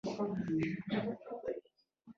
نن مې د کور زاړه کاغذونه جلا کړل.